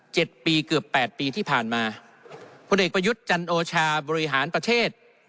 ปีเกือบแปดปีที่ผ่านมาพลเอกประยุทธ์จันโอชาบริหารประเทศ